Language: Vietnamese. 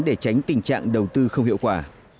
để tránh tình trạng đầu tư không hiệu quả